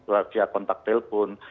bagi kontak telepon